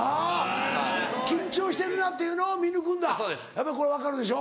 やっぱりこれ分かるでしょ？